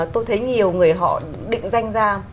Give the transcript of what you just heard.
tôi thấy nhiều người họ định danh ra